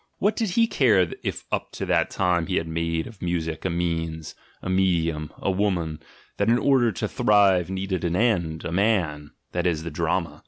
What did he care if up to that time he had made of music a means, a medium, a "woman," that in order to thrive needed an end, a man — that is, the drama?